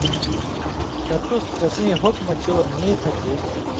کہ تُس کسیں حُکمہ چور نی تھہ کھیں